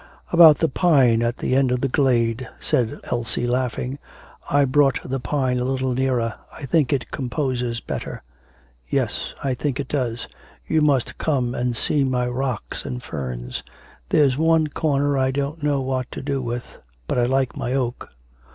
'About the pine at the end of the glade,' said Elsie laughing. 'I brought the pine a little nearer. I think it composes better.' 'Yes, I think it does. You must come and see my rocks and ferns. There's one corner I don't know what to do with. But I like my oak.'